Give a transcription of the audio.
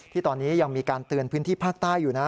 ที่ตอนนี้ยังมีการเตือนพื้นที่ภาคใต้อยู่นะ